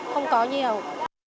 không có nhiều